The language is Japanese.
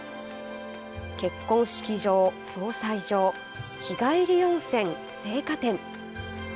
結婚式場、葬祭場日帰り温泉、生花店。